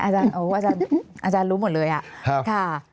ใช่อาจารย์อาจารย์รู้หมดเลยค่ะ